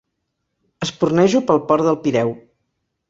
Espurnejo pel port del Pireu.